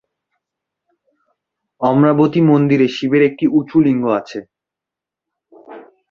অমরাবতী মন্দিরে শিবের একটি উঁচু লিঙ্গ আছে।